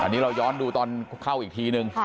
อันนี้เราย้อนดูตอนเข้าอีกทีนึง